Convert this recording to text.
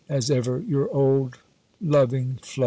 As ever your old loving FLO.